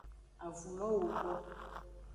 Avulo wogo.